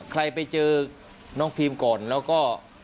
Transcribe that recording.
ใครไปเจอน้องฟิล์มก่อนแล้วก็